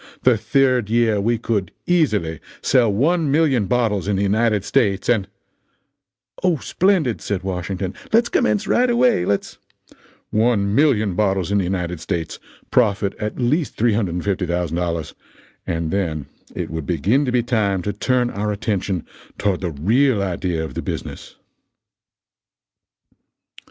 The third year we could easily sell 1,000,000 bottles in the United States and " "O, splendid!" said Washington. "Let's commence right away let's "" 1,000,000 bottles in the United States profit at least $350,000 and then it would begin to be time to turn our attention toward the real idea of the business."